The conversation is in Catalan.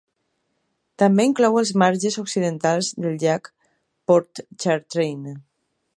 També inclou els marges occidentals del llac Pontchartrain.